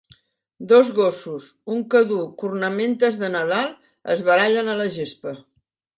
Dos gossos, un que duu cornamentes de Nadal, es barallen a la gespa.